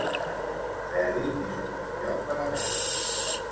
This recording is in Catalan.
Montferri es un bon lloc per anar-hi